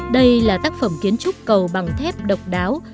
đây là tác phẩm kiến trúc cầu bằng thép độc đáo